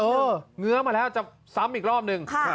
เงื้อมาแล้วจะซ้ำอีกรอบนึง